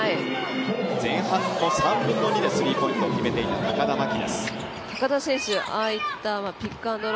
前半の３分の２でスリーポイントを決めていった高田真希。